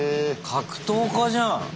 格闘家じゃん。